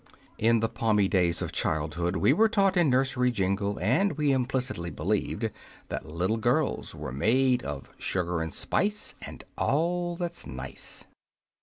In the palmy days of childhood we were taught in nursery jingle, and we implicitly believed, that little girls were made of Sugar and spice And all that's nice.